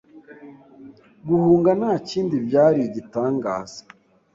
Guhunga ntakindi byari igitangaza.